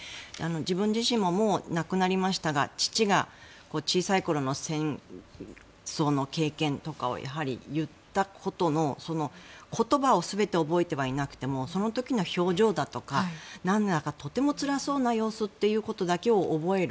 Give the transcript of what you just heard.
自分自身ももう亡くなりましたが父が小さい頃の戦争の経験とかをやはり、言ったことのその言葉を全て覚えてはいなくてもその時の表情だとかなんだかとてもつらそうな様子だってことだけを覚える。